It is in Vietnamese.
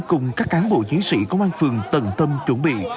cùng các cán bộ chiến sĩ công an phường tận tâm chuẩn bị